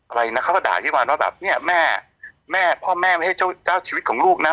อะไรนะเขาก็ด่าพี่วันว่าแบบเนี่ยแม่แม่พ่อแม่ไม่ใช่เจ้าเจ้าชีวิตของลูกนะ